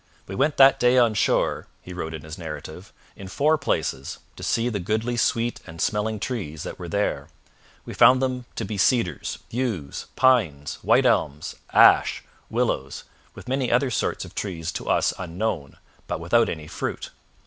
'We went that day on shore,' he wrote in his narrative, 'in four places, to see the goodly sweet and smelling trees that were there. We found them to be cedars, yews, pines, white elms, ash, willows, With many other sorts of trees to us unknown, but without any fruit.